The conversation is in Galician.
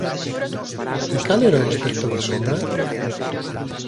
E cal era o aspecto da sombra?